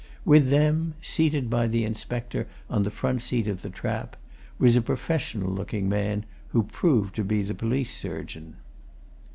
With them, seated by the inspector on the front seat of the trap, was a professional looking man who proved to be the police surgeon.